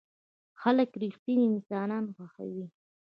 خلک رښتيني انسانان خوښوي.